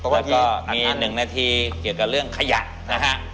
มี๑นาทีเกี่ยวกับเรื่องขยะนะฮะ